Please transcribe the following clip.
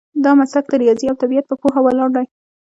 دا مسلک د ریاضي او طبیعت په پوهه ولاړ دی.